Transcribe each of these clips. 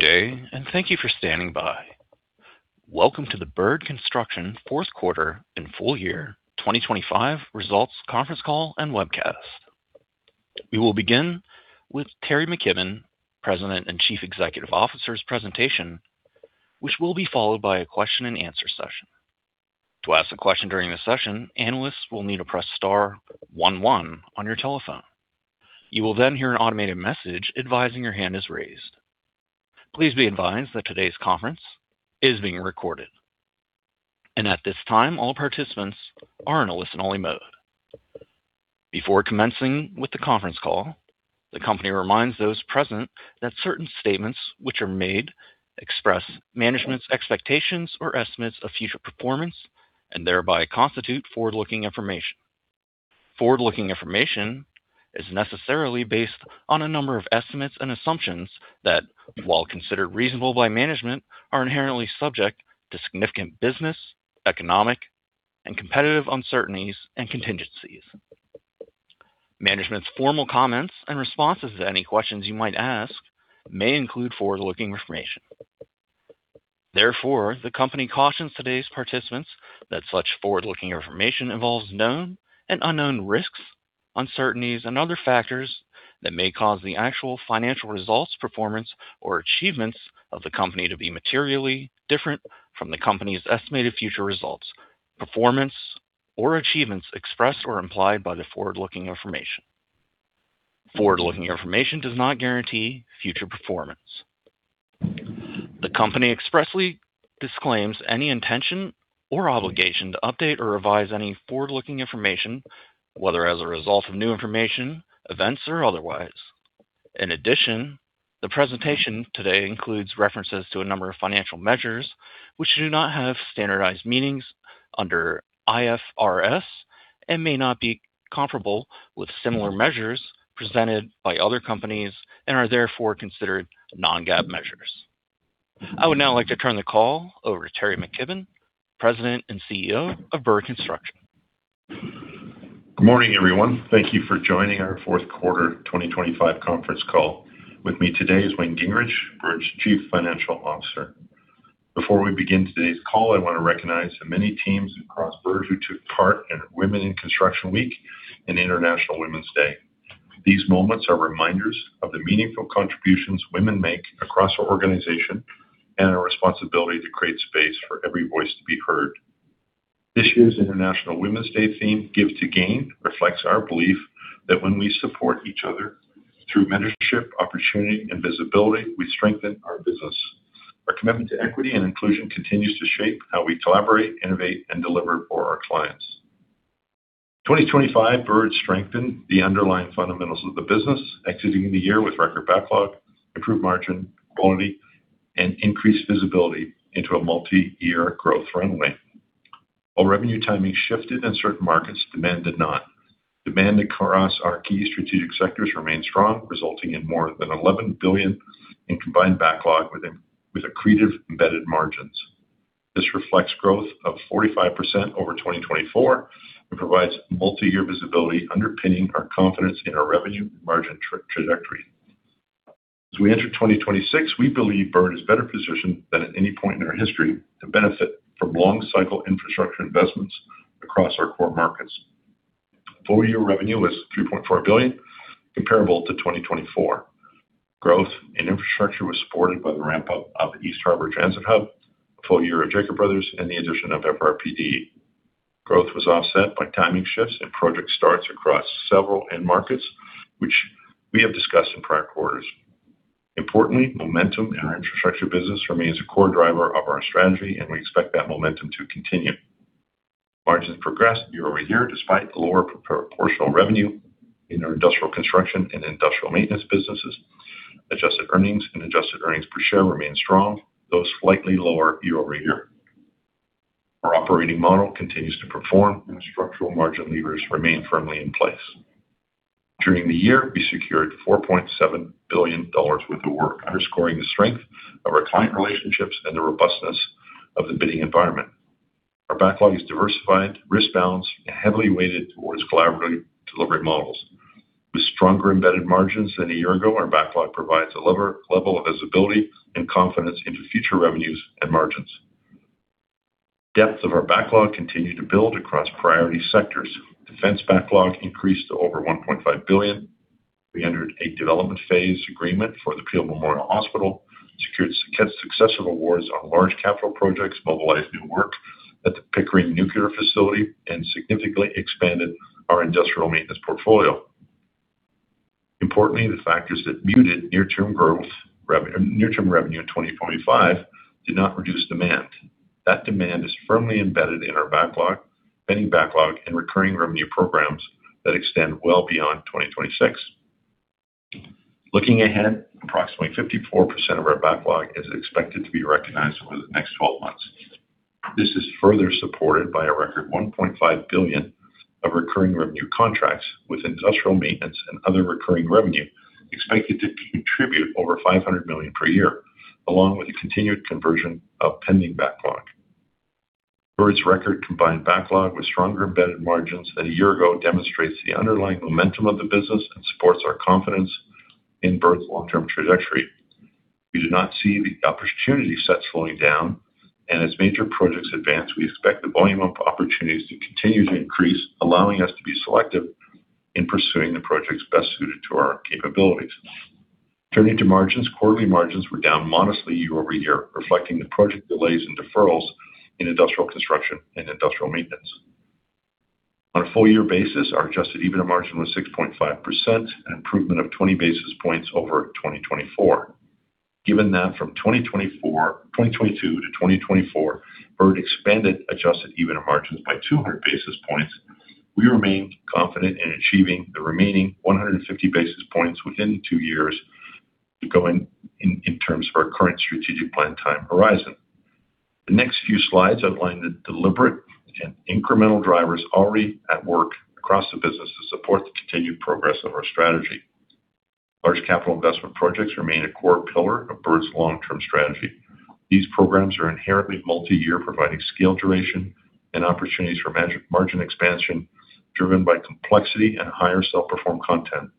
Good day, and thank you for standing by. Welcome to the Bird Construction fourth quarter and full year 2025 results conference call and webcast. We will begin with Teri McKibbon, President and Chief Executive Officer's presentation, which will be followed by a question and answer session. To ask a question during this session, analysts will need to press star one one on your telephone. You will then hear an automated message advising your hand is raised. Please be advised that today's conference is being recorded. At this time, all participants are in a listen-only mode. Before commencing with the conference call, the company reminds those present that certain statements which are made express management's expectations or estimates of future performance and thereby constitute forward-looking information. Forward-looking information is necessarily based on a number of estimates and assumptions that, while considered reasonable by management, are inherently subject to significant business, economic and competitive uncertainties and contingencies. Management's formal comments and responses to any questions you might ask may include forward-looking information. Therefore, the company cautions today's participants that such forward-looking information involves known and unknown risks, uncertainties, and other factors that may cause the actual financial results, performance, or achievements of the company to be materially different from the company's estimated future results, performance, or achievements expressed or implied by the forward-looking information. Forward-looking information does not guarantee future performance. The company expressly disclaims any intention or obligation to update or revise any forward-looking information, whether as a result of new information, events, or otherwise. In addition, the presentation today includes references to a number of financial measures which do not have standardized meanings under IFRS and may not be comparable with similar measures presented by other companies and are therefore considered non-GAAP measures. I would now like to turn the call over to Teri McKibbon, President and CEO of Bird Construction. Good morning, everyone. Thank you for joining our fourth quarter 2025 conference call. With me today is Wayne Gingrich, Bird's Chief Financial Officer. Before we begin today's call, I want to recognize the many teams across Bird who took part in Women in Construction Week and International Women's Day. These moments are reminders of the meaningful contributions women make across our organization and our responsibility to create space for every voice to be heard. This year's International Women's Day theme, Give to Gain, reflects our belief that when we support each other through mentorship, opportunity, and visibility, we strengthen our business. Our commitment to equity and inclusion continues to shape how we collaborate, innovate, and deliver for our clients. 2025, Bird strengthened the underlying fundamentals of the business, exiting the year with record backlog, improved margin, quality, and increased visibility into a multi-year growth runway. While revenue timing shifted in certain markets, demand did not. Demand across our key strategic sectors remained strong, resulting in more than 11 billion in combined backlog with accretive embedded margins. This reflects growth of 45% over 2024 and provides multi-year visibility underpinning our confidence in our revenue margin trajectory. As we enter 2026, we believe Bird is better positioned than at any point in our history to benefit from long cycle infrastructure investments across our core markets. Full year revenue was 3.4 billion, comparable to 2024. Growth in infrastructure was supported by the ramp-up of East Harbour Transit Hub, a full year of Jacob Bros., and the addition of FRPD. Growth was offset by timing shifts and project starts across several end markets, which we have discussed in prior quarters. Importantly, momentum in our infrastructure business remains a core driver of our strategy, and we expect that momentum to continue. Margins progressed year-over-year despite the lower proportional revenue in our industrial construction and industrial maintenance businesses. Adjusted earnings and adjusted earnings per share remained strong, though slightly lower year-over-year. Our operating model continues to perform, and structural margin levers remain firmly in place. During the year, we secured 4.7 billion dollars worth of work, underscoring the strength of our client relationships and the robustness of the bidding environment. Our backlog is diversified, risk-balanced, and heavily weighted towards collaborative delivery models. With stronger embedded margins than a year ago, our backlog provides a high-level of visibility and confidence into future revenues and margins. Depth of our backlog continued to build across priority sectors. Defense backlog increased to over 1.5 billion. We entered a development phase agreement for the Peel Memorial Hospital, secured successive awards on large capital projects, mobilized new work at the Pickering Nuclear facility, and significantly expanded our industrial maintenance portfolio. Importantly, the factors that muted near-term revenue in 2025 did not reduce demand. That demand is firmly embedded in our backlog, pending backlog, and recurring revenue programs that extend well beyond 2026. Looking ahead, approximately 54% of our backlog is expected to be recognized over the next 12 months. This is further supported by a record 1.5 billion of recurring revenue contracts, with industrial maintenance and other recurring revenue expected to contribute over 500 million per year, along with the continued conversion of pending backlog. Bird's record combined backlog with stronger embedded margins than a year ago demonstrates the underlying momentum of the business and supports our confidence in Bird's long-term trajectory. We do not see the opportunity sets slowing down, and as major projects advance, we expect the volume of opportunities to continue to increase, allowing us to be selective in pursuing the projects best suited to our capabilities. Turning to margins. Quarterly margins were down modestly year-over-year, reflecting the project delays and deferrals in industrial construction and industrial maintenance. On a full-year basis, our adjusted EBITDA margin was 6.5%, an improvement of 20 basis points over 2024. Given that from 2022 to 2024, Bird expanded adjusted EBITDA margins by 200 basis points, we remain confident in achieving the remaining 150 basis points within 2 years to go in terms of our current strategic plan time horizon. The next few slides outline the deliberate and incremental drivers already at work across the business to support the continued progress of our strategy. Large capital investment projects remain a core pillar of Bird's long-term strategy. These programs are inherently multi-year, providing scale, duration and opportunities for margin expansion, driven by complexity and higher self-perform content.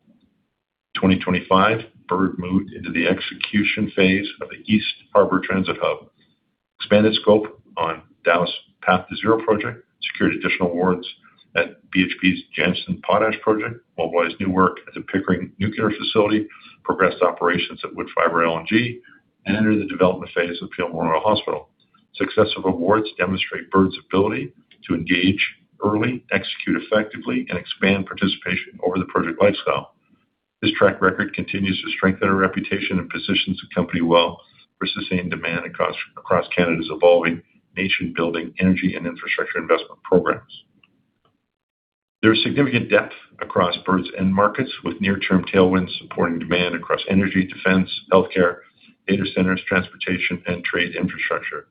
2025, Bird moved into the execution phase of the East Harbour Transit Hub, expanded scope on Dow's Path2Zero project, secured additional awards at BHP's Jansen potash project, mobilized new work at the Pickering Nuclear facility, progressed operations at Woodfibre LNG, and entered the development phase of Peel Memorial Hospital. Successive awards demonstrate Bird's ability to engage early, execute effectively, and expand participation over the project lifecycle. This track record continues to strengthen our reputation and positions the company well for sustained demand across Canada's evolving nation-building energy and infrastructure investment programs. There is significant depth across Bird's end markets, with near-term tailwinds supporting demand across energy, defense, healthcare, data centers, transportation, and trade infrastructure.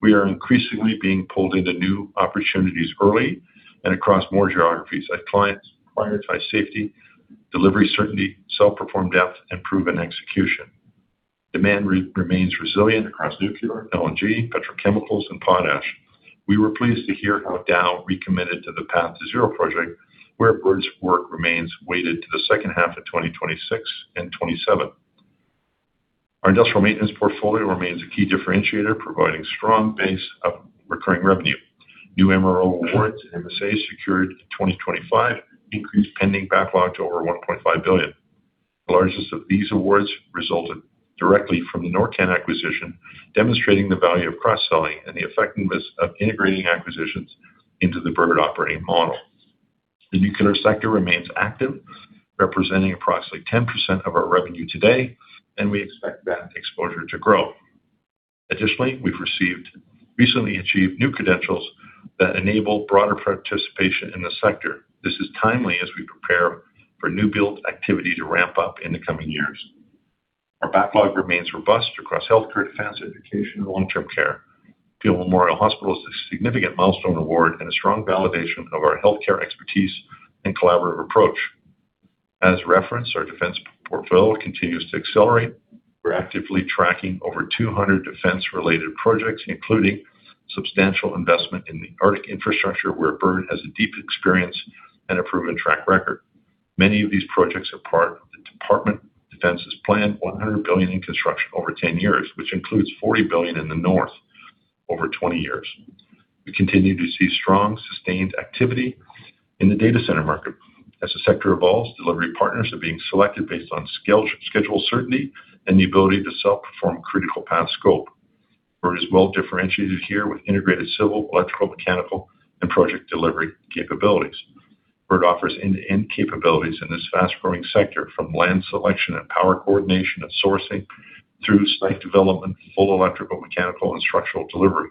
We are increasingly being pulled into new opportunities early and across more geographies as clients prioritize safety, delivery certainty, self-perform depth, and proven execution. Demand remains resilient across nuclear, LNG, petrochemicals, and potash. We were pleased to hear how Dow recommitted to the Path2Zero project, where Bird's work remains weighted to the second half of 2026 and 2027. Our industrial maintenance portfolio remains a key differentiator, providing strong base of recurring revenue. New MRO awards and MSAs secured in 2025 increased pending backlog to over 1.5 billion. The largest of these awards resulted directly from the NorCan acquisition, demonstrating the value of cross-selling and the effectiveness of integrating acquisitions into the Bird operating model. The nuclear sector remains active, representing approximately 10% of our revenue today, and we expect that exposure to grow. Additionally, we've recently achieved new credentials that enable broader participation in the sector. This is timely as we prepare for new build activity to ramp up in the coming years. Our backlog remains robust across healthcare, defense, education, and long-term care. Peel Memorial Hospital is a significant milestone award and a strong validation of our healthcare expertise and collaborative approach. As referenced, our defense portfolio continues to accelerate. We're actively tracking over 200 defense-related projects, including substantial investment in the Arctic infrastructure, where Bird has a deep experience and a proven track record. Many of these projects are part of the Department of Defense's plan, 100 billion in construction over 10 years, which includes 40 billion in the North over 20 years. We continue to see strong, sustained activity in the data center market. As the sector evolves, delivery partners are being selected based on skills, schedule certainty and the ability to self-perform critical path scope. Bird is well-differentiated here with integrated civil, electrical, mechanical, and project delivery capabilities. Bird offers end-to-end capabilities in this fast-growing sector from land selection and power coordination and sourcing through site development, full electrical, mechanical, and structural delivery.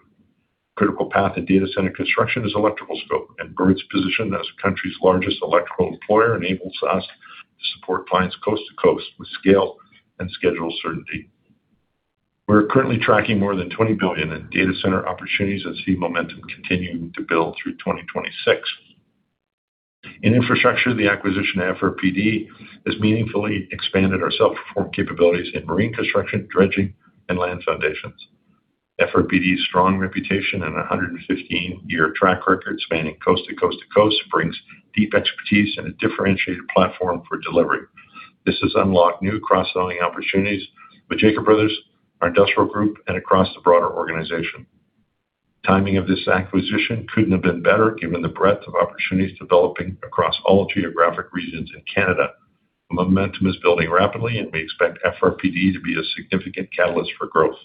Critical path in data center construction is electrical scope, and Bird's position as the country's largest electrical employer enables us to support clients coast to coast with scale and schedule certainty. We're currently tracking more than 20 billion in data center opportunities and see momentum continuing to build through 2026. In infrastructure, the acquisition of FRPD has meaningfully expanded our self-perform capabilities in marine construction, dredging, and land foundations. FRPD's strong reputation and a 115-year track record spanning coast to coast to coast brings deep expertise and a differentiated platform for delivery. This has unlocked new cross-selling opportunities with Jacob Bros., our industrial group, and across the broader organization. Timing of this acquisition couldn't have been better given the breadth of opportunities developing across all geographic regions in Canada. The momentum is building rapidly, and we expect FRPD to be a significant catalyst for growth.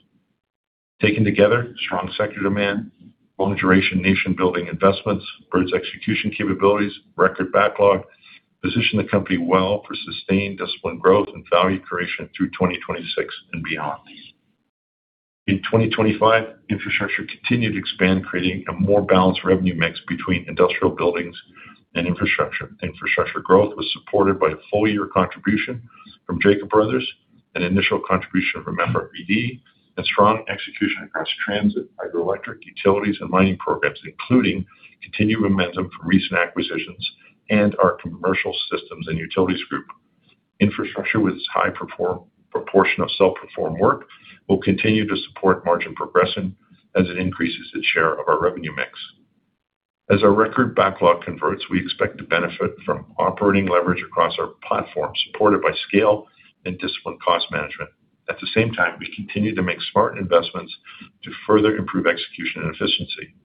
Taken together, strong sector demand, long duration nation-building investments, Bird's execution capabilities, record backlog, position the company well for sustained disciplined growth and value creation through 2026 and beyond. In 2025, infrastructure continued to expand, creating a more balanced revenue mix between industrial buildings and infrastructure. Infrastructure growth was supported by a full-year contribution from Jacob Bros. Construction, an initial contribution from FRPD, and strong execution across transit, hydroelectric, utilities, and mining programs, including continued momentum from recent acquisitions and our commercial systems and utilities group. Infrastructure with its high proportion of self-performed work will continue to support margin progression as it increases its share of our revenue mix. As our record backlog converts, we expect to benefit from operating leverage across our platform, supported by scale and disciplined cost management. At the same time, we continue to make smart investments to further improve execution and efficiency.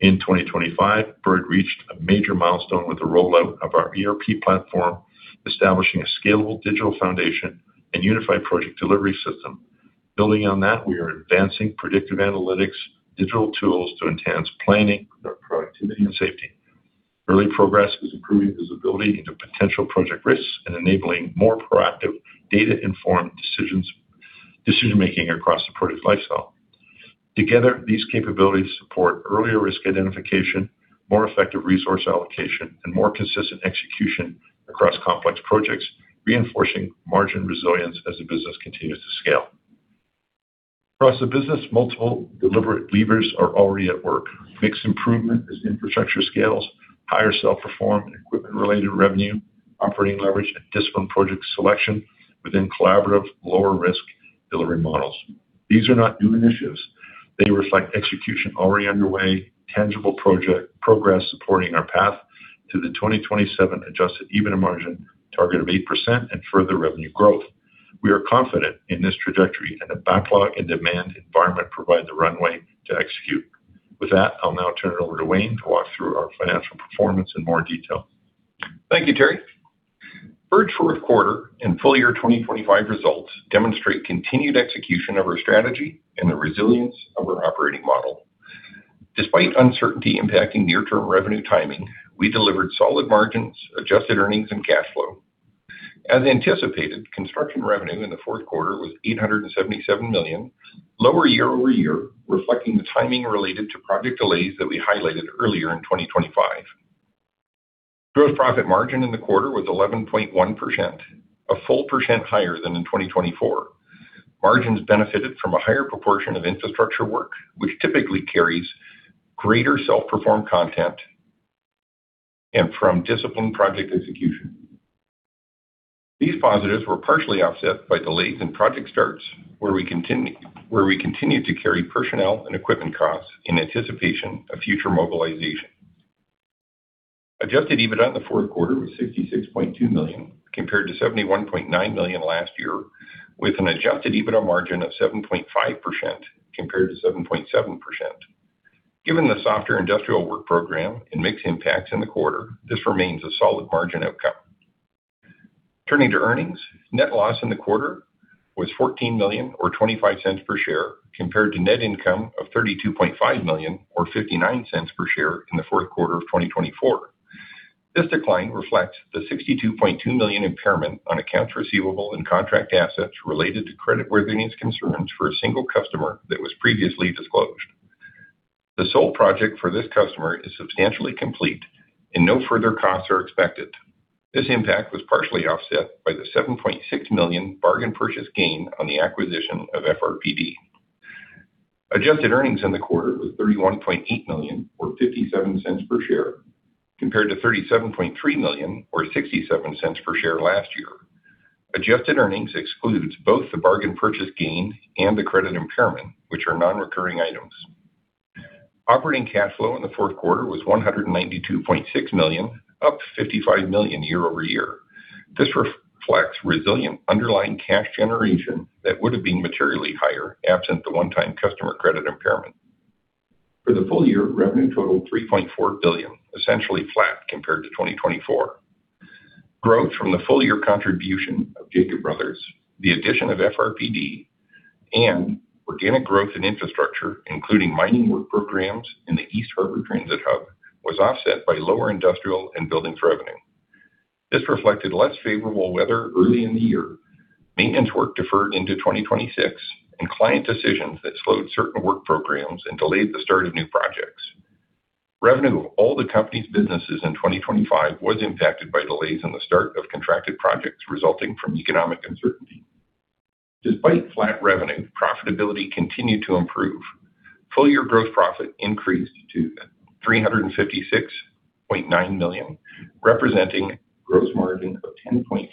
In 2025, Bird reached a major milestone with the rollout of our ERP platform, establishing a scalable digital foundation and unified project delivery system. Building on that, we are advancing predictive analytics digital tools to enhance planning, productivity, and safety. Early progress is improving visibility into potential project risks and enabling more proactive data-informed decision-making across the project lifecycle. Together, these capabilities support earlier risk identification, more effective resource allocation, and more consistent execution across complex projects, reinforcing margin resilience as the business continues to scale. Across the business, multiple deliberate levers are already at work. Mixed improvement as infrastructure scales, higher self-perform and equipment-related revenue, operating leverage and disciplined project selection within collaborative lower risk delivery models. These are not new initiatives. They reflect execution already underway, tangible project progress supporting our path to the 2027 adjusted EBITDA margin target of 8% and further revenue growth. We are confident in this trajectory and the backlog and demand environment provide the runway to execute. With that, I'll now turn it over to Wayne to walk through our financial performance in more detail. Thank you, Teri. Bird's fourth quarter and full-year 2025 results demonstrate continued execution of our strategy and the resilience of our operating model. Despite uncertainty impacting near-term revenue timing, we delivered solid margins, adjusted earnings and cash flow. As anticipated, construction revenue in the fourth quarter was 877 million, lower year-over-year, reflecting the timing related to project delays that we highlighted earlier in 2025. Gross profit margin in the quarter was 11.1%, a full 1% higher than in 2024. Margins benefited from a higher proportion of infrastructure work, which typically carries greater self-performed content and from disciplined project execution. These positives were partially offset by delays in project starts, where we continued to carry personnel and equipment costs in anticipation of future mobilization. Adjusted EBITDA in the fourth quarter was 66.2 million compared to 71.9 million last year, with an adjusted EBITDA margin of 7.5% compared to 7.7%. Given the softer industrial work program and mix impacts in the quarter, this remains a solid margin outcome. Turning to earnings, net loss in the quarter was 14 million or 0.25 per share, compared to net income of 32.5 million or 0.59 per share in the fourth quarter of 2024. This decline reflects the 62.2 million impairment on accounts receivable and contract assets related to creditworthiness concerns for a single customer that was previously disclosed. The sole project for this customer is substantially complete and no further costs are expected. This impact was partially offset by the 7.6 million bargain purchase gain on the acquisition of FRPD. Adjusted earnings in the quarter was 31.8 million or 0.57 per share, compared to 37.3 million or 0.67 per share last year. Adjusted earnings excludes both the bargain purchase gain and the credit impairment, which are non-recurring items. Operating cash flow in the fourth quarter was 192.6 million, up 55 million year-over-year. This reflects resilient underlying cash generation that would have been materially higher absent the one-time customer credit impairment. For the full year, revenue totaled 3.4 billion, essentially flat compared to 2024. Growth from the full-year contribution of Jacob Bros. Construction, the addition of FRPD, and organic growth in infrastructure, including mining work programs in the East Harbour Transit Hub, was offset by lower industrial and buildings revenue. This reflected less favorable weather early in the year, maintenance work deferred into 2026, and client decisions that slowed certain work programs and delayed the start of new projects. Revenue of all the company's businesses in 2025 was impacted by delays in the start of contracted projects resulting from economic uncertainty. Despite flat revenue, profitability continued to improve. Full-year gross profit increased to 356.9 million, representing gross margin of 10.5%,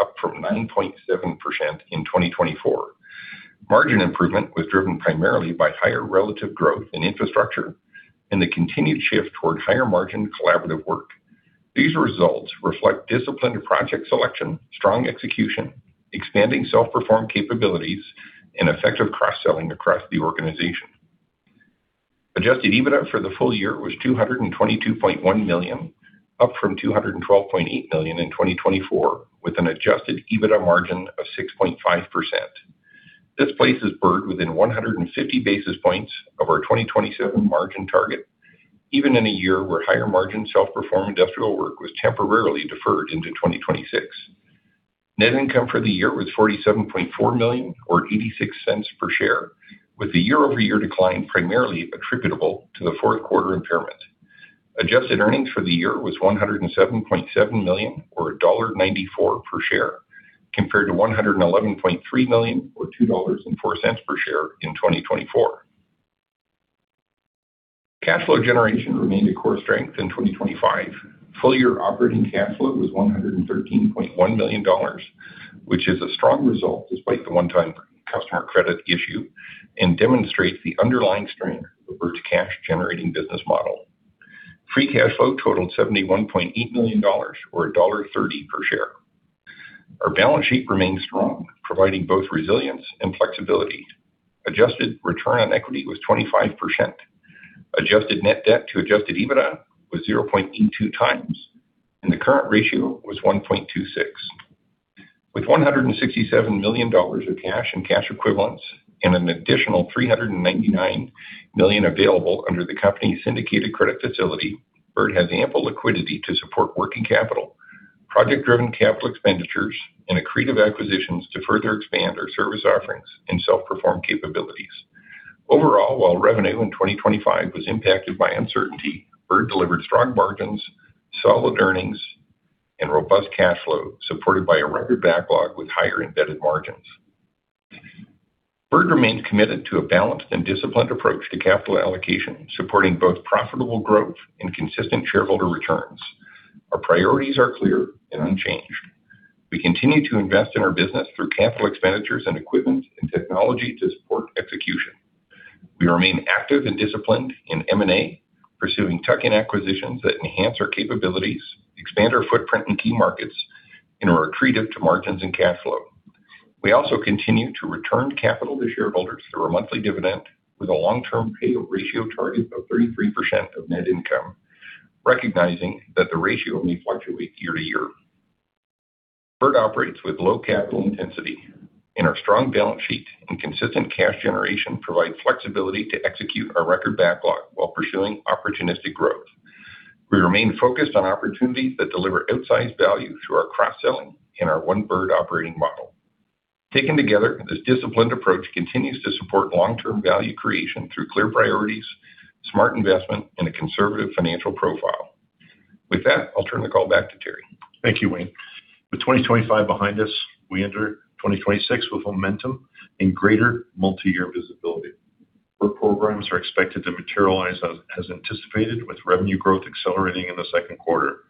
up from 9.7% in 2024. Margin improvement was driven primarily by higher relative growth in infrastructure and the continued shift toward higher-margin collaborative work. These results reflect disciplined project selection, strong execution, expanding self-performed capabilities, and effective cross-selling across the organization. Adjusted EBITDA for the full year was 222.1 million, up from 212.8 million in 2024, with an adjusted EBITDA margin of 6.5%. This places Bird within 150 basis points of our 2027 margin target, even in a year where higher-margin, self-performed industrial work was temporarily deferred into 2026. Net income for the year was 47.4 million or 0.86 per share, with the year-over-year decline primarily attributable to the fourth quarter impairment. Adjusted earnings for the year was 107.7 million or dollar 1.94 per share, compared to 111.3 million or 2.04 dollars per share in 2024. Cash flow generation remained a core strength in 2025. Full year operating cash flow was 113.1 million dollars, which is a strong result despite the one-time customer credit issue and demonstrates the underlying strength of Bird's cash-generating business model. Free cash flow totaled 71.8 million dollars or dollar 1.30 per share. Our balance sheet remains strong, providing both resilience and flexibility. Adjusted Return on Equity was 25%. Adjusted net debt to adjusted EBITDA was 0.22x, and the current ratio was 1.26. With 167 million dollars of cash and cash equivalents and an additional 399 million available under the company's syndicated credit facility, Bird has ample liquidity to support working capital, project-driven capital expenditures, and accretive acquisitions to further expand our service offerings and self-perform capabilities. Overall, while revenue in 2025 was impacted by uncertainty, Bird delivered strong margins, solid earnings, and robust cash flow supported by a record backlog with higher embedded margins. Bird remains committed to a balanced and disciplined approach to capital allocation, supporting both profitable growth and consistent shareholder returns. Our priorities are clear and unchanged. We continue to invest in our business through capital expenditures and equipment and technology to support execution. We remain active and disciplined in M&A, pursuing tuck-in acquisitions that enhance our capabilities, expand our footprint in key markets, and are accretive to margins and cash flow. We also continue to return capital to shareholders through our monthly dividend with a long-term payout ratio target of 33% of net income, recognizing that the ratio may fluctuate year-to-year. Bird operates with low capital intensity, and our strong balance sheet and consistent cash generation provide flexibility to execute our record backlog while pursuing opportunistic growth. We remain focused on opportunities that deliver outsized value through our cross-selling and our OneBird operating model. Taken together, this disciplined approach continues to support long-term value creation through clear priorities, smart investment, and a conservative financial profile. With that, I'll turn the call back to Teri. Thank you, Wayne. With 2025 behind us, we enter 2026 with momentum and greater multiyear visibility. Bird programs are expected to materialize as anticipated with revenue growth accelerating in the second quarter.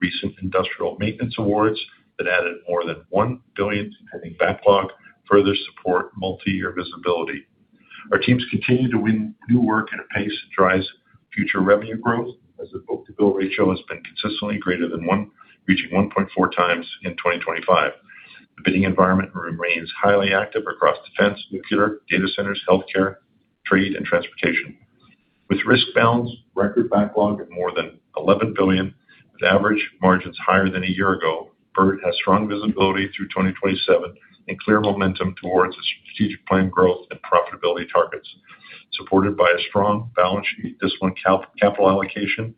Recent industrial maintenance awards that added more than 1 billion in pending backlog further support multiyear visibility. Our teams continue to win new work at a pace that drives future revenue growth as the book-to-bill ratio has been consistently greater than one, reaching 1.4x in 2025. The bidding environment remains highly active across defense, nuclear, data centers, healthcare, trade, and transportation. With risk balanced, record backlog of more than 11 billion, with average margins higher than a year ago, Bird has strong visibility through 2027 and clear momentum towards its strategic plan growth and profitability targets. Supported by a strong balance sheet, disciplined capital allocation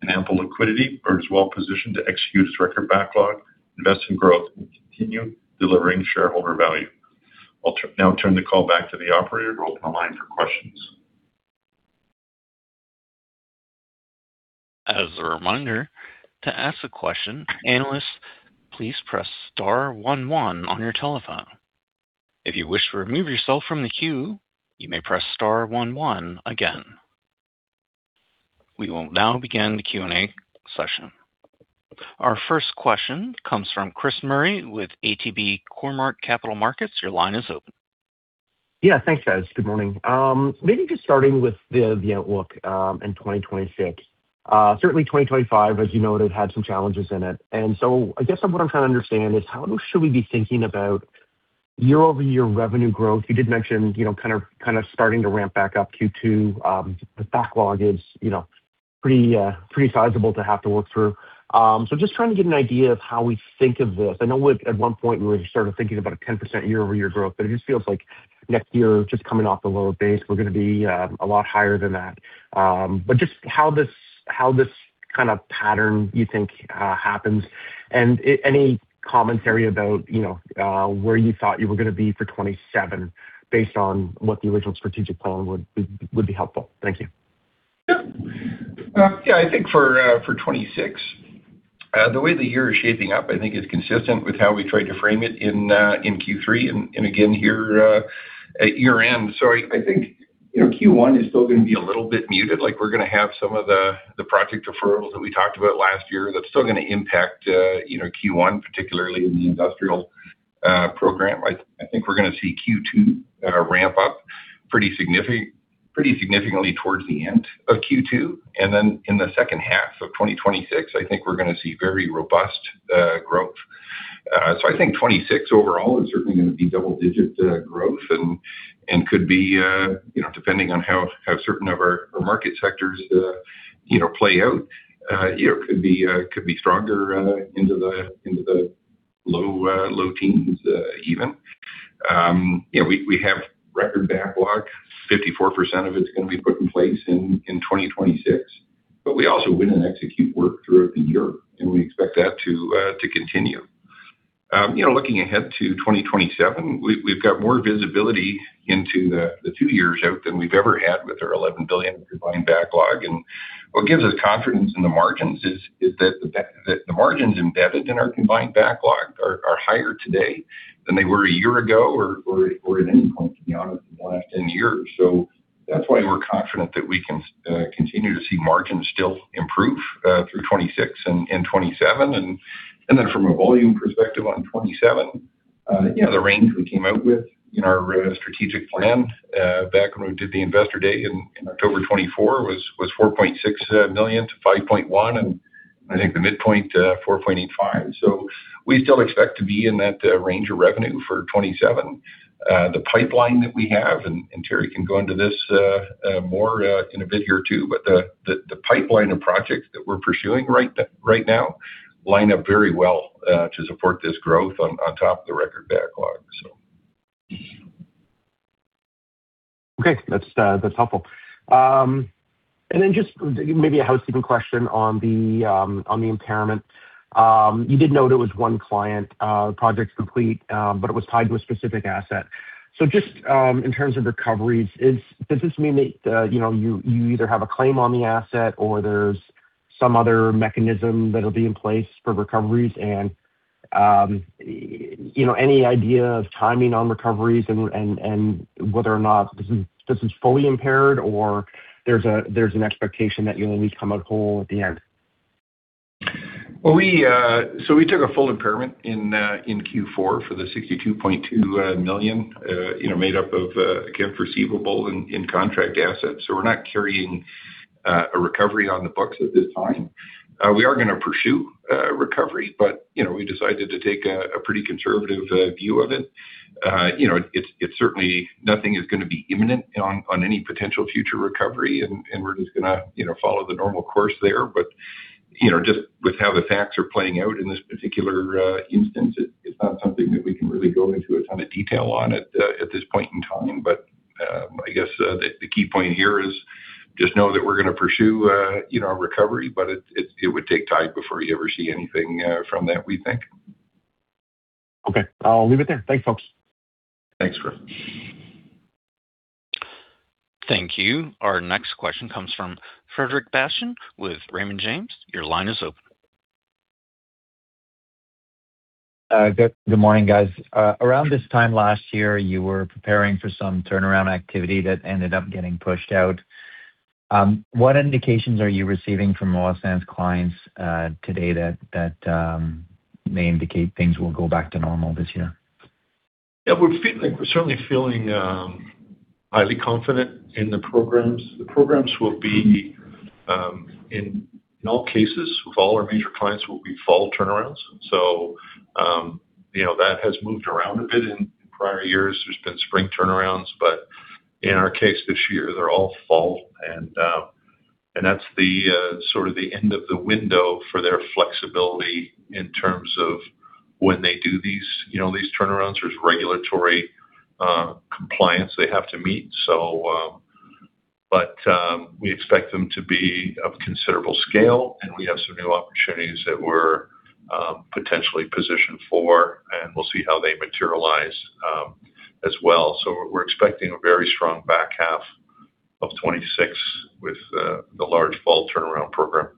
and ample liquidity, Bird is well-positioned to execute its record backlog, invest in growth, and continue delivering shareholder value. I'll now turn the call back to the operator to open the line for questions. As a reminder, to ask a question, analysts, please press star one one on your telephone. If you wish to remove yourself from the queue, you may press star one one again. We will now begin the Q&A session. Our first question comes from Chris Murray with ATB Capital Markets. Your line is open. Yeah, thanks, guys. Good morning. Maybe just starting with the outlook in 2026. Certainly 2025, as you noted, had some challenges in it. I guess what I'm trying to understand is how should we be thinking about year-over-year revenue growth? You did mention, you know, kind of starting to ramp back up Q2. The backlog is, you know, pretty sizable to have to work through. So just trying to get an idea of how we think of this. I know at one point you were sort of thinking about a 10% year-over-year growth, but it just feels like next year just coming off a lower base, we're gonna be a lot higher than that. Just how this kind of pattern you think happens and any commentary about, you know, where you thought you were gonna be for 2027 based on what the original strategic plan would be, would be helpful. Thank you. Yeah. Yeah, I think for 2026, the way the year is shaping up, I think is consistent with how we tried to frame it in Q3 and again here at year-end. I think, you know, Q1 is still gonna be a little bit muted. Like we're gonna have some of the project deferrals that we talked about last year that's still gonna impact you know Q1, particularly in the industrial program. I think we're gonna see Q2 ramp up pretty significantly towards the end of Q2. Then in the second half of 2026, I think we're gonna see very robust growth. I think 2026 overall is certainly gonna be double-digit growth and could be, you know, depending on how certain of our market sectors, you know, play out, you know, could be stronger into the low teens, even. We have record backlog. 54% of it's gonna be put in place in 2026, but we also win and execute work throughout the year, and we expect that to continue. Looking ahead to 2027, we've got more visibility into the two years out than we've ever had with our 11 billion pipeline backlog. What gives us confidence in the margins is that the margins embedded in our combined backlog are higher today than they were a year ago or at any point, to be honest, in the last ten years. That's why we're confident that we can continue to see margins still improve through 2026 and 2027. Then from a volume perspective on 2027, you know, the range we came out with in our strategic plan back when we did the investor day in October 2024 was 4.6 million-5.1 million, and I think the midpoint 4.85 million. We still expect to be in that range of revenue for 2027. The pipeline that we have, and Teri can go into this more in a bit here too, but the pipeline of projects that we're pursuing right now line up very well to support this growth on top of the record backlog. Okay. That's helpful. Maybe a housekeeping question on the impairment. You did note it was one client, project's complete, but it was tied to a specific asset. Just in terms of recoveries, does this mean that you know, you either have a claim on the asset or there's some other mechanism that'll be in place for recoveries? You know, any idea of timing on recoveries and whether or not this is fully impaired or there's an expectation that you'll only come out whole at the end? We took a full impairment in Q4 for the 62.2 million, you know, made up of again, receivable and in-contract assets. We're not carrying a recovery on the books at this time. We are gonna pursue recovery, but you know, we decided to take a pretty conservative view of it. You know, it's certainly nothing is gonna be imminent on any potential future recovery, and we're just gonna follow the normal course there. You know, just with how the facts are playing out in this particular instance, it's not something that we can really go into a ton of detail on at this point in time. I guess, the key point here is just know that we're gonna pursue, you know, a recovery, but it would take time before you ever see anything, from that, we think. Okay. I'll leave it there. Thanks, folks. Thanks, Chris. Thank you. Our next question comes from Frederic Bastien with Raymond James. Your line is open. Good morning, guys. Around this time last year, you were preparing for some turnaround activity that ended up getting pushed out. What indications are you receiving from oil sands clients today that may indicate things will go back to normal this year? Yeah. We're certainly feeling highly confident in the programs. The programs will be in all cases with all our major clients fall turnarounds. You know, that has moved around a bit in prior years. There's been spring turnarounds, but in our case this year they're all fall. That's sort of the end of the window for their flexibility in terms of when they do these, you know, these turnarounds. There's regulatory compliance they have to meet. We expect them to be of considerable scale, and we have some new opportunities that we're potentially positioned for, and we'll see how they materialize as well. We're expecting a very strong back half of 2026 with the large fall turnaround program.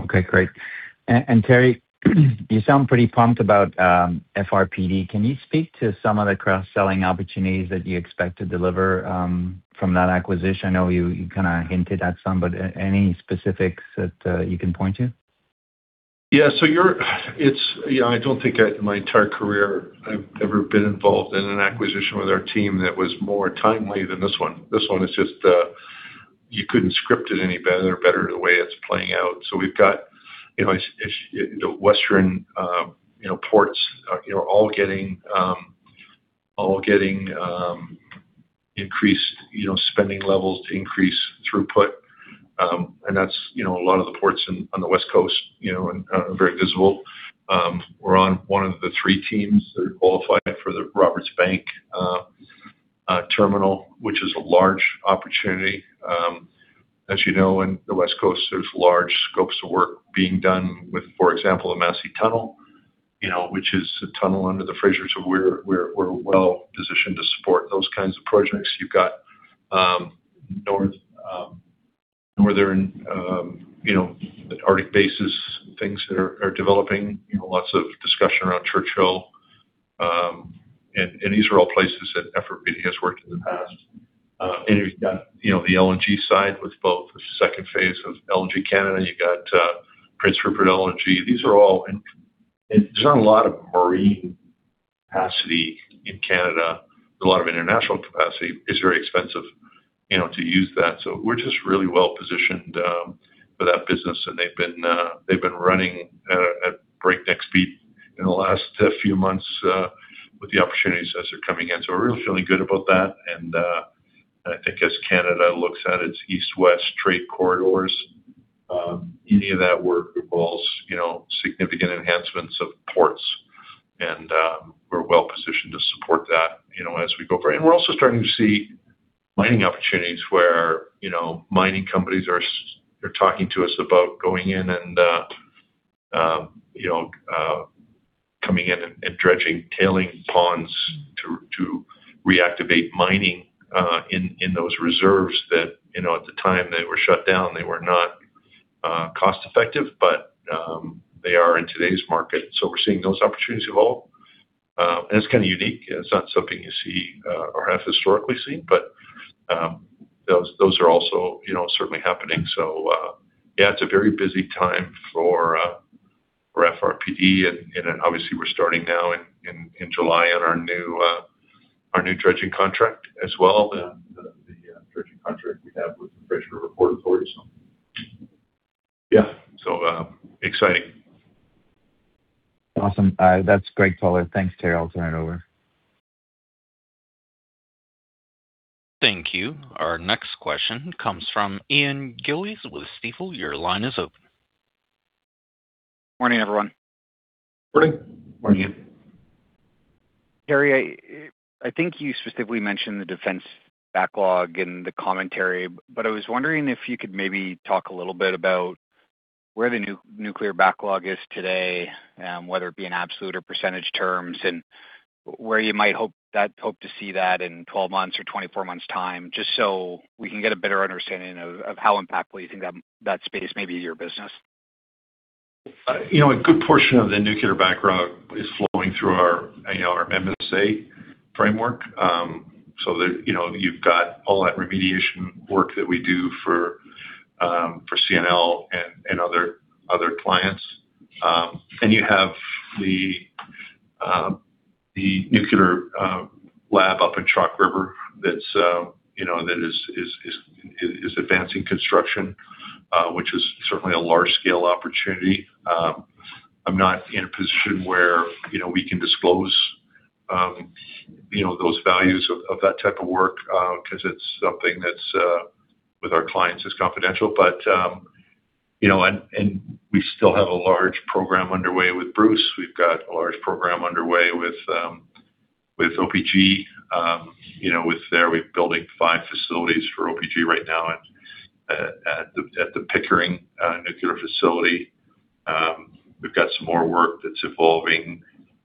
Okay. Great. Teri, you sound pretty pumped about FRPD. Can you speak to some of the cross-selling opportunities that you expect to deliver from that acquisition? I know you kinda hinted at some, but any specifics that you can point to? Yeah, I don't think in my entire career I've ever been involved in an acquisition with our team that was more timely than this one. This one is just, you couldn't script it any better the way it's playing out. We've got, you know, the Western, you know, ports, you know, all getting, you know, increased, you know, spending levels to increase throughput. That's, you know, a lot of the ports on the West Coast, you know, and very visible. We're on one of the three teams that are qualified for the Roberts Bank terminal, which is a large opportunity. As you know, in the West Coast, there's large scopes of work being done with, for example, the Massey Tunnel, you know, which is a tunnel under the Fraser. We're well positioned to support those kinds of projects. You've got northern, you know, Arctic bases, things that are developing. You know, lots of discussion around Churchill. These are all places that FRPD has worked in the past. You've got you know, the LNG side with both the second phase of LNG Canada. You got Prince Rupert LNG. These are all in. There's not a lot of marine capacity in Canada. A lot of international capacity. It's very expensive, you know, to use that. We're just really well positioned for that business. They've been running at breakneck speed in the last few months with the opportunities as they're coming in. We're really feeling good about that. I think as Canada looks at its east-west trade corridors, any of that work involves, you know, significant enhancements of ports, and we're well positioned to support that, you know, as we go through. We're also starting to see mining opportunities where, you know, mining companies are talking to us about going in and coming in and dredging tailings ponds to reactivate mining in those reserves that, you know, at the time they were shut down, they were not cost-effective, but they are in today's market. We're seeing those opportunities evolve. It's kinda unique, and it's not something you see or have historically seen, but those are also, you know, certainly happening. It's a very busy time for FRPD. Obviously we're starting now in July on our new dredging contract as well. The dredging contract we have with the Vancouver Fraser Port Authority. Yeah, exciting. Awesome. That's great, color. Thanks, Teri. I'll turn it over. Thank you. Our next question comes from Ian Gillies with Stifel. Your line is open. Morning, everyone. Morning. Morning, Ian. Teri, I think you specifically mentioned the defense backlog in the commentary, but I was wondering if you could maybe talk a little bit about where the nuclear backlog is today, whether it be in absolute or percentage terms, and where you might hope to see that in 12 months or 24 months time, just so we can get a better understanding of how impactful you think that space may be to your business. You know, a good portion of the nuclear backlog is flowing through our, you know, our MSA framework. You know, you've got all that remediation work that we do for CNL and other clients. You have the nuclear lab up in Chalk River that's, you know, that is advancing construction, which is certainly a large scale opportunity. I'm not in a position where, you know, we can disclose, you know, those values of that type of work, 'cause it's something that's with our clients is confidential. You know, we still have a large program underway with Bruce. We've got a large program underway with OPG. You know, with that, we're building 5 facilities for OPG right now at the Pickering Nuclear facility. We've got some more work that's evolving,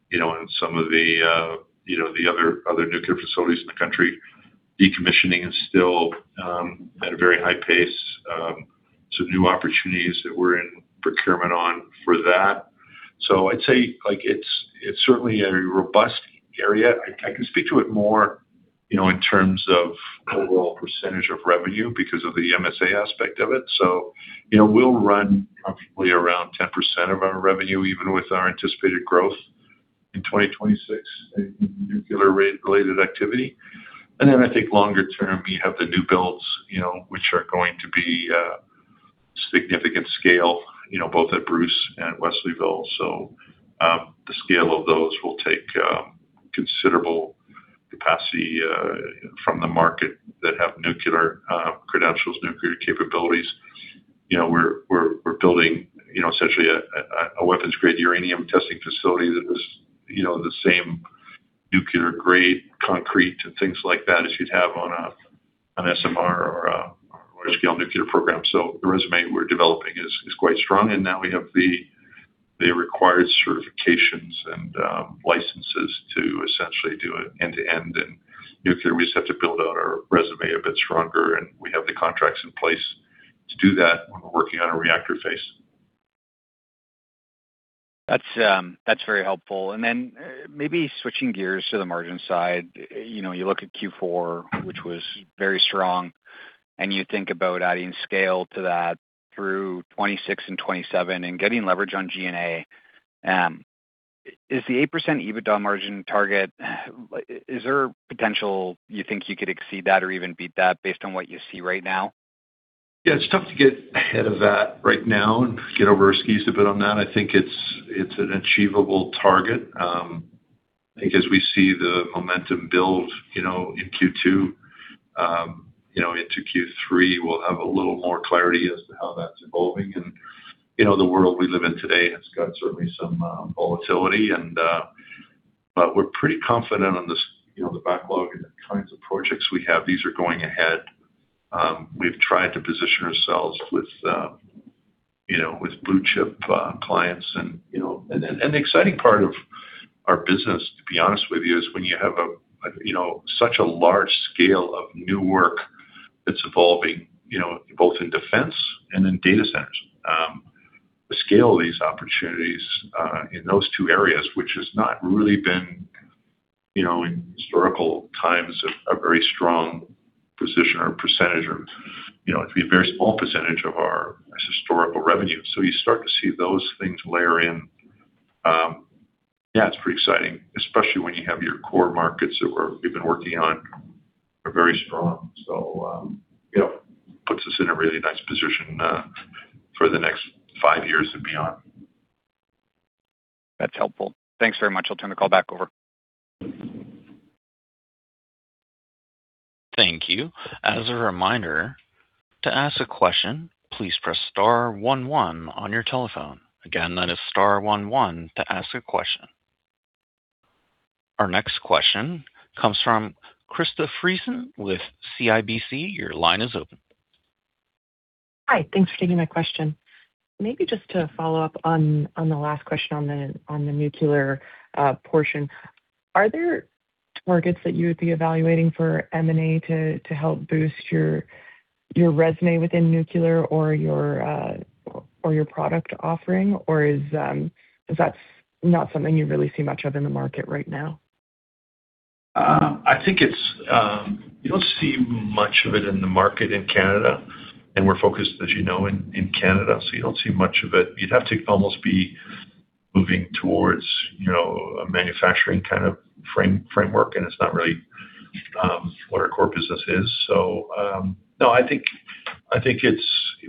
you know, in some of the, you know, the other nuclear facilities in the country. Decommissioning is still at a very high pace. Some new opportunities that we're in procurement on for that. I'd say, like, it's certainly a robust area. I can speak to it more, you know, in terms of overall percentage of revenue because of the MSA aspect of it. You know, we'll run probably around 10% of our revenue, even with our anticipated growth in 2026 in nuclear-related activity. I think longer term, you have the new builds, you know, which are going to be significant scale, you know, both at Bruce and at Wesleyville. The scale of those will take considerable capacity from the market that have nuclear credentials, nuclear capabilities. You know, we're building, you know, essentially a weapons-grade uranium testing facility that is, you know, the same nuclear grade concrete and things like that as you'd have on a SMR or a large scale nuclear program. The resume we're developing is quite strong, and now we have the required certifications and licenses to essentially do it end-to-end in nuclear. We just have to build out our resume a bit stronger, and we have the contracts in place to do that when we're working on a reactor phase. That's very helpful. Maybe switching gears to the margin side. You know, you look at Q4, which was very strong, and you think about adding scale to that through 2026 and 2027 and getting leverage on G&A. Is the 8% EBITDA margin target, is there a potential you think you could exceed that or even beat that based on what you see right now? Yeah, it's tough to get ahead of that right now and get over our skis a bit on that. I think it's an achievable target. I think as we see the momentum build, you know, in Q2, you know, into Q3, we'll have a little more clarity as to how that's evolving. You know, the world we live in today has got certainly some volatility. We're pretty confident on this, you know, the backlog and the kinds of projects we have. These are going ahead. We've tried to position ourselves with you know, with blue chip clients and, you know. The exciting part of our business, to be honest with you, is when you have a you know, such a large scale of new work that's evolving, you know, both in defense and in data centers. The scale of these opportunities in those two areas, which has not really been, you know, in historical times a very strong position or percentage or, you know, it'd be a very small percentage of our historical revenue. You start to see those things layer in. Yeah, it's pretty exciting, especially when you have your core markets that we've been working on are very strong. You know, puts us in a really nice position for the next five years and beyond. That's helpful. Thanks very much. I'll turn the call back over. Thank you. As a reminder, to ask a question, please press star one one on your telephone. Again, that is star one one to ask a question. Our next question comes from Krista Friesen with CIBC. Your line is open. Hi. Thanks for taking my question. Maybe just to follow up on the last question on the nuclear portion. Are there targets that you would be evaluating for M&A to help boost your resume within nuclear or your product offering? Or is 'cause that's not something you really see much of in the market right now? You don't see much of it in the market in Canada, and we're focused, as you know, in Canada, so you don't see much of it. You'd have to almost be moving towards, you know, a manufacturing kind of framework, and it's not really what our core business is. No, I think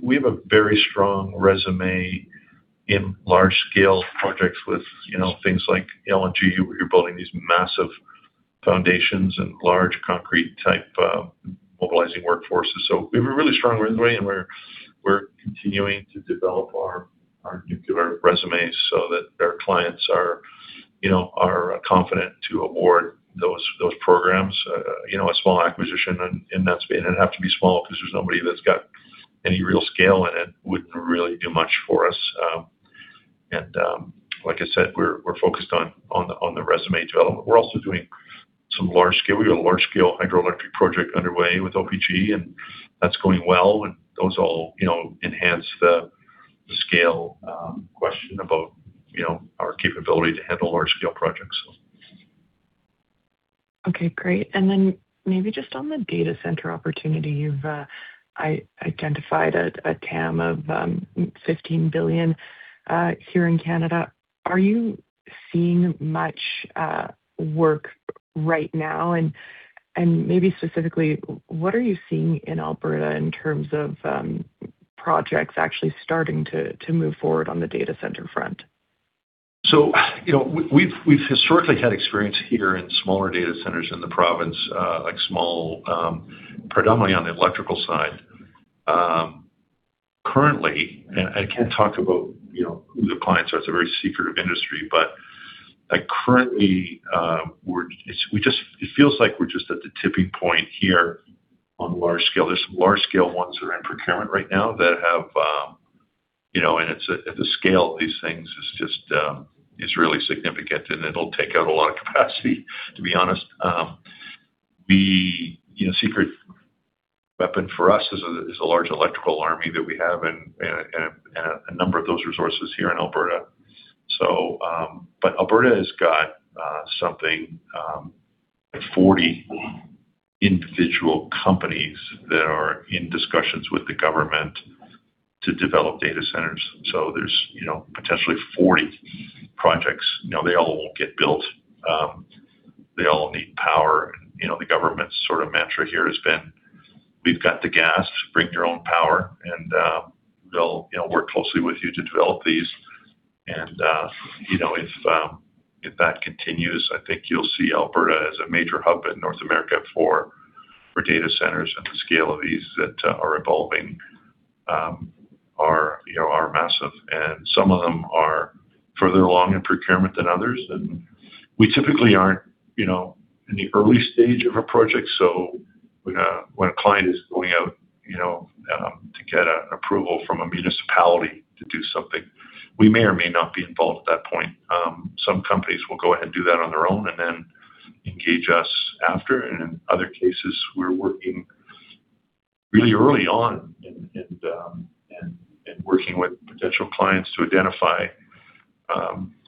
we have a very strong resume in large scale projects with, you know, things like LNG, where you're building these massive foundations and large concrete type of mobilizing workforces. We have a really strong resume, and we're continuing to develop our nuclear resumes so that our clients are, you know, confident to award those programs. You know, a small acquisition in that space. It'd have to be small because there's nobody that's got any real scale in it. Wouldn't really do much for us. Like I said, we're focused on the resource development. We're also doing some large scale. We got a large scale hydroelectric project underway with OPG, and that's going well, and those all, you know, enhance the scale question about, you know, our capability to handle large scale projects. Okay, great. Then maybe just on the data center opportunity, you've identified a TAM of 15 billion here in Canada. Are you seeing much work right now? Maybe specifically, what are you seeing in Alberta in terms of projects actually starting to move forward on the data center front? You know, we've historically had experience here in smaller data centers in the province, like small, predominantly on the electrical side. Currently, I can't talk about, you know, who the clients are. It's a very secretive industry. Currently, we're just at the tipping point here on large scale. There's some large scale ones that are in procurement right now that have, you know, and the scale of these things is just really significant, and it'll take out a lot of capacity, to be honest. You know, the secret weapon for us is a large electrical army that we have and a number of those resources here in Alberta. Alberta has got something like 40 individual companies that are in discussions with the government to develop data centers. There's, you know, potentially 40 projects. You know, they all won't get built. They all need power. You know, the government sort of mantra here has been, "We've got the gas. Bring your own power, and we'll, you know, work closely with you to develop these." You know, if that continues, I think you'll see Alberta as a major hub in North America for data centers at the scale of these that are evolving, you know, are massive. Some of them are further along in procurement than others. We typically aren't, you know, in the early stage of a project. When a client is going out, you know, to get an approval from a municipality to do something, we may or may not be involved at that point. Some companies will go ahead and do that on their own and then engage us after. In other cases, we're working really early on in working with potential clients to identify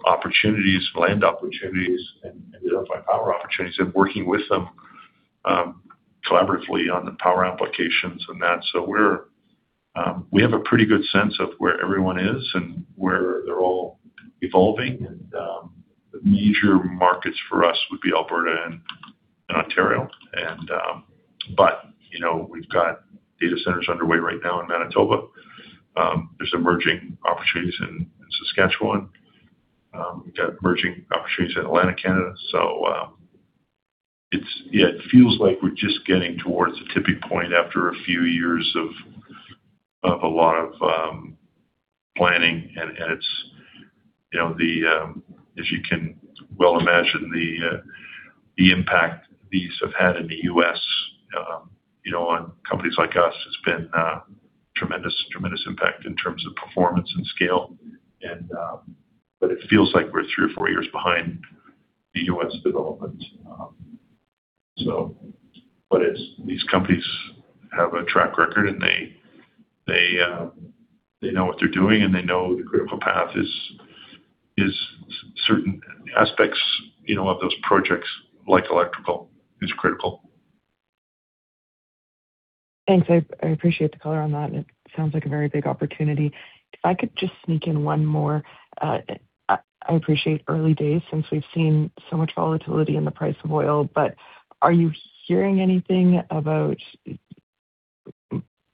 opportunities, land opportunities and identify power opportunities and working with them collaboratively on the power applications and that. We have a pretty good sense of where everyone is and where they're all evolving. The major markets for us would be Alberta and Ontario. You know, we've got data centers underway right now in Manitoba. There's emerging opportunities in Saskatchewan. We've got emerging opportunities in Atlantic Canada. It feels like we're just getting towards the tipping point after a few years of a lot of planning. It's, you know, as you can well imagine, the impact these have had in the U.S., you know, on companies like us has been tremendous impact in terms of performance and scale. But it feels like we're three or four years behind the U.S. development. These companies have a track record, and they know what they're doing, and they know the critical path is certain aspects, you know, of those projects like electrical is critical. Thanks. I appreciate the color on that, and it sounds like a very big opportunity. If I could just sneak in one more. I appreciate early days since we've seen so much volatility in the price of oil. Are you hearing anything about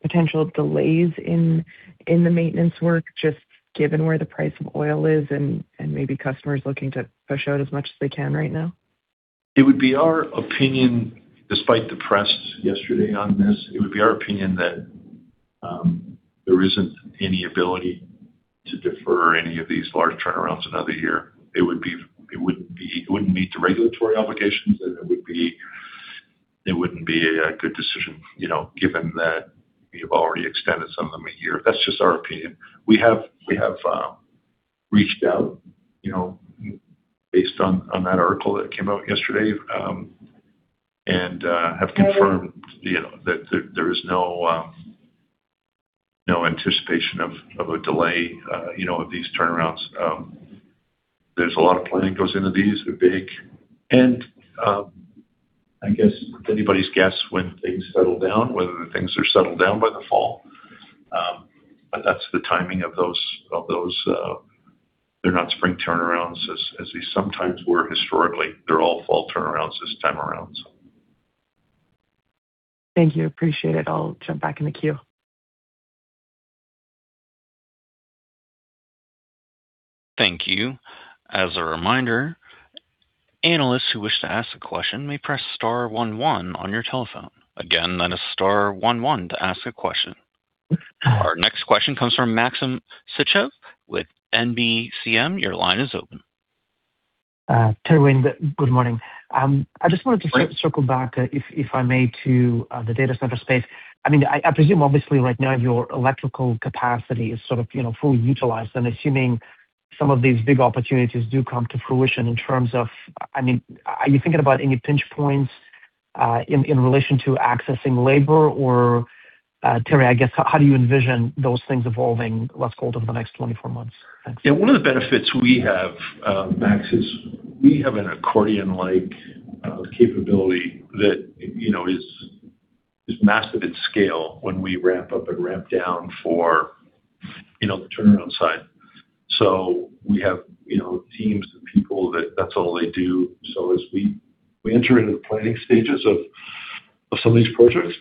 potential delays in the maintenance work, just given where the price of oil is and maybe customers looking to push out as much as they can right now? It would be our opinion, despite the press yesterday on this, it would be our opinion that there isn't any ability to defer any of these large turnarounds another year. It wouldn't meet the regulatory obligations, and it wouldn't be a good decision, you know, given that we have already extended some of them a year. That's just our opinion. We have reached out, you know, based on that article that came out yesterday, and have confirmed, you know, that there is no anticipation of a delay, you know, of these turnarounds. There's a lot of planning goes into these. They're big. I guess it's anybody's guess when things settle down, whether things are settled down by the fall. That's the timing of those. They're not spring turnarounds as they sometimes were historically. They're all fall turnarounds this time around so. Thank you. Appreciate it. I'll jump back in the queue. Thank you. As a reminder, analysts who wish to ask a question may press star one one on your telephone. Again, that is star one one to ask a question. Our next question comes from Maxim Sytchev with National Bank Financial. Your line is open. Teri, Wayne, good morning. I just wanted to circle back, if I may, to the data center space. I mean, I presume obviously right now your electrical capacity is sort of, you know, fully utilized. I'm assuming some of these big opportunities do come to fruition in terms of. I mean, are you thinking about any pinch points, in relation to accessing labor? Or, Teri, I guess, how do you envision those things evolving, let's call it, over the next 24 months? Thanks. Yeah. One of the benefits we have, Max, is we have an accordion-like capability that, you know, is massive in scale when we ramp up and ramp down for, you know, the turnaround side. We have, you know, teams of people that that's all they do. As we enter into the planning stages of some of these projects,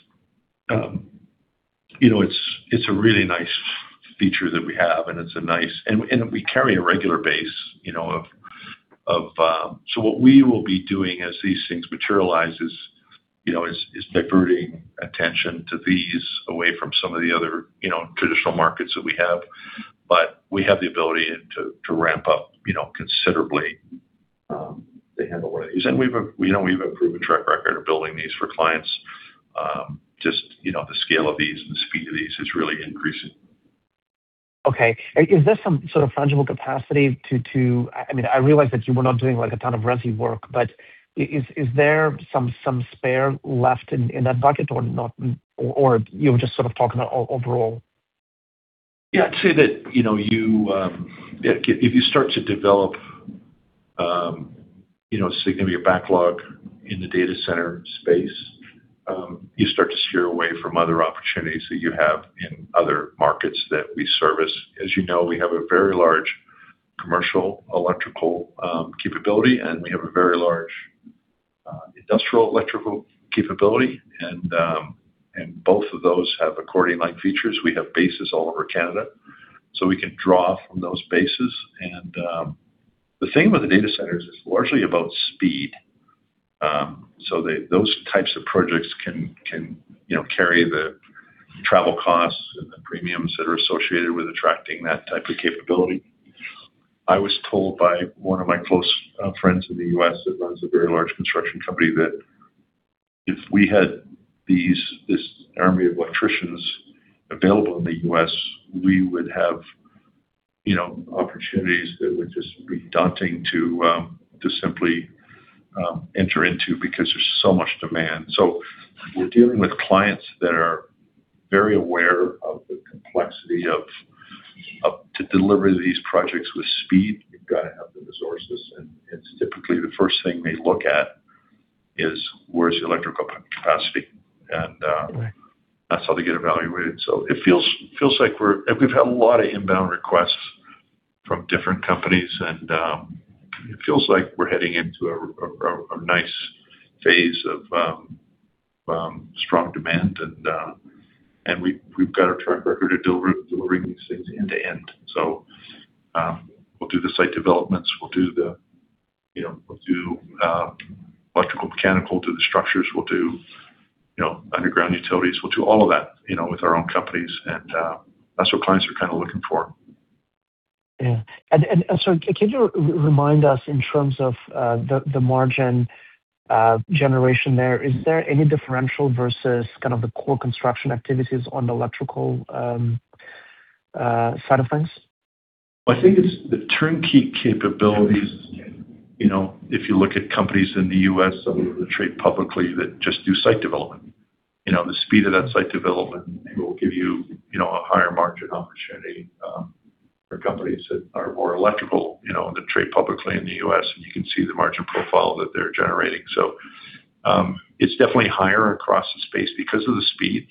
you know, it's a really nice feature that we have, and it's a nice. We carry a regular base, you know, of. What we will be doing as these things materialize is, you know, diverting attention to these away from some of the other, you know, traditional markets that we have. We have the ability to ramp up, you know, considerably, to handle one of these. We've a proven track record of building these for clients. You know, just, the scale of these and the speed of these is really increasing. Okay. Is there some sort of tangible capacity? I mean, I realize that you were not doing, like, a ton of Resi work, but is there some spare left in that bucket or not? Or were you just sort of talking about overall? Yeah. I'd say that, you know, you, if you start to develop, you know, significant backlog in the data center space, you start to steer away from other opportunities that you have in other markets that we service. As you know, we have a very large commercial electrical capability, and we have a very large industrial electrical capability. Both of those have accordion-like features. We have bases all over Canada, so we can draw from those bases. The thing about the data centers is largely about speed. Those types of projects can, you know, carry the travel costs and the premiums that are associated with attracting that type of capability. I was told by one of my close friends in the U.S. that runs a very large construction company that if we had these, this army of electricians available in the U.S., we would have, you know, opportunities that would just be daunting to simply enter into because there's so much demand. We're dealing with clients that are very aware of the complexity of to deliver these projects with speed, you've got to have the resources. It's typically the first thing they look at is where's the electrical capacity? Right. That's how they get evaluated. We've had a lot of inbound requests from different companies, and it feels like we're heading into a nice phase of strong demand. We've got a track record of delivering these things end to end. We'll do the site developments. We'll do the, you know, we'll do electrical, mechanical, do the structures. We'll do, you know, underground utilities. We'll do all of that, you know, with our own companies. That's what clients are kind of looking for. Yeah. Can you remind us in terms of the margin generation there? Is there any differential versus kind of the core construction activities on the electrical side of things? I think it's the turnkey capabilities. You know, if you look at companies in the U.S. That trade publicly that just do site development, you know, the speed of that site development will give you know, a higher margin opportunity, for companies that are more electrical, you know, and that trade publicly in the U.S., and you can see the margin profile that they're generating. It's definitely higher across the space because of the speed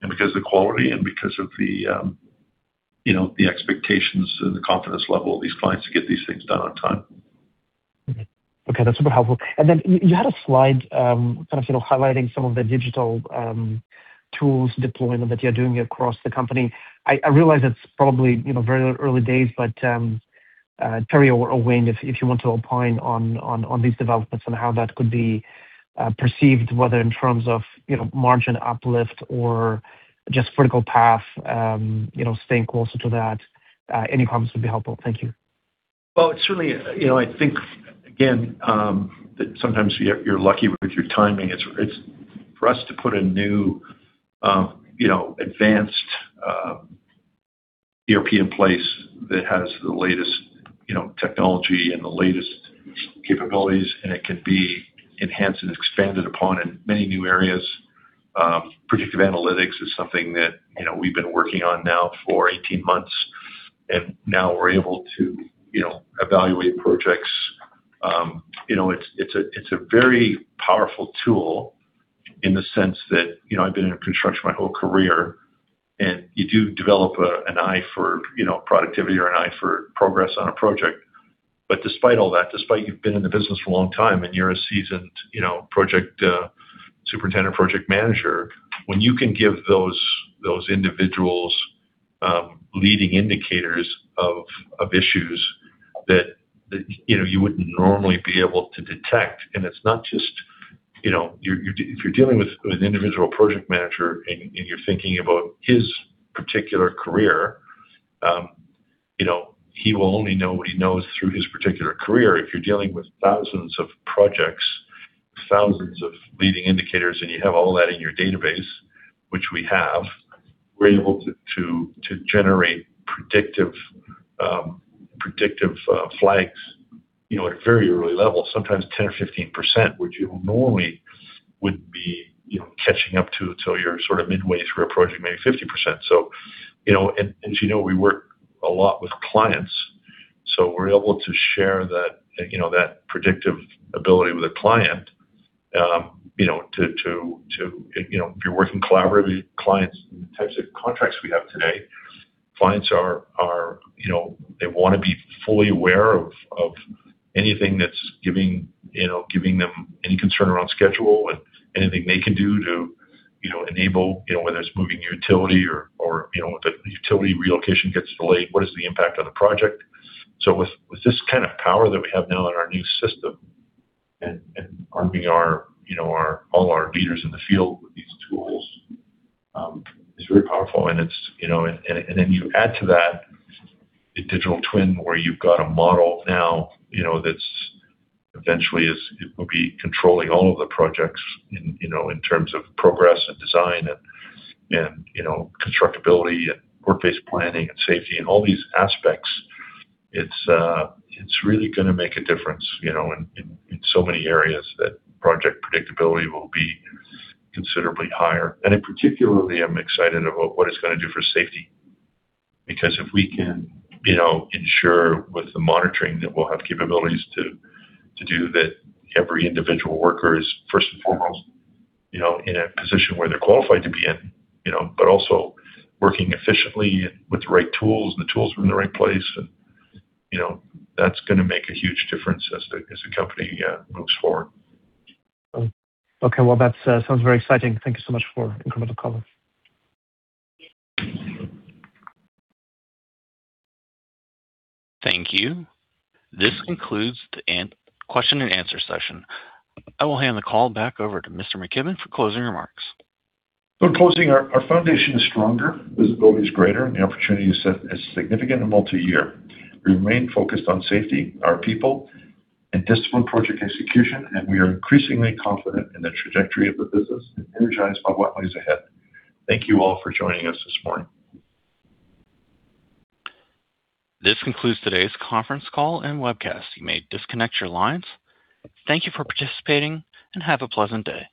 and because the quality and because of the, you know, the expectations and the confidence level of these clients to get these things done on time. Okay. That's super helpful. Then you had a slide, kind of, you know, highlighting some of the digital tools deployment that you're doing across the company. I realize it's probably, you know, very early days, but Teri or Wayne, if you want to opine on these developments and how that could be perceived, whether in terms of, you know, margin uplift or just critical path, you know, staying closer to that, any comments would be helpful. Thank you. Well, it's certainly, you know, I think, again, that sometimes you're lucky with your timing. It's for us to put a new, you know, advanced ERP in place that has the latest, you know, technology and the latest capabilities, and it can be enhanced and expanded upon in many new areas. Predictive analytics is something that, you know, we've been working on now for 18 months, and now we're able to, you know, evaluate projects. You know, it's a very powerful tool in the sense that, you know, I've been in construction my whole career, and you do develop an eye for, you know, productivity or an eye for progress on a project. Despite all that, despite you've been in the business for a long time, and you're a seasoned, you know, project superintendent, project manager, when you can give those individuals leading indicators of issues that you know you wouldn't normally be able to detect. It's not just, you know, if you're dealing with an individual project manager and you're thinking about his particular career, you know, he will only know what he knows through his particular career. If you're dealing with thousands of projects, thousands of leading indicators, and you have all that in your database, which we have, we're able to generate predictive flags, you know, at a very early level, sometimes 10% or 15%, which you normally would be, you know, catching up to till you're sort of midway through a project, maybe 50%. You know, as you know, we work a lot with clients, so we're able to share that, you know, that predictive ability with a client. You know, if you're working collaboratively with clients and the types of contracts we have today, clients are, you know, they wanna be fully aware of anything that's giving them any concern around schedule and anything they can do to, you know, enable, you know, whether it's moving utility or, you know, the utility relocation gets delayed, what is the impact on the project? With this kind of power that we have now in our new system and arming all our leaders in the field with these tools is very powerful. It's, you know, then you add to that a digital twin where you've got a model now, you know, that it will be controlling all of the projects in, you know, in terms of progress and design and, you know, constructability and workface planning and safety and all these aspects. It's really gonna make a difference, you know, in so many areas that project predictability will be considerably higher. In particular, I'm excited about what it's gonna do for safety. Because if we can, you know, ensure with the monitoring that we'll have capabilities to do that every individual worker is first and foremost, you know, in a position where they're qualified to be in, you know, but also working efficiently and with the right tools and the tools from the right place and, you know, that's gonna make a huge difference as the company moves forward. Okay. Well, that sounds very exciting. Thank you so much for incremental color. Thank you. This concludes the question and answer session. I will hand the call back over to Mr. McKibbon for closing remarks. In closing, our foundation is stronger, visibility is greater, and the opportunity set is significant and multi-year. We remain focused on safety, our people and disciplined project execution, and we are increasingly confident in the trajectory of the business and energized by what lies ahead. Thank you all for joining us this morning. This concludes today's conference call and webcast. You may disconnect your lines. Thank you for participating and have a pleasant day.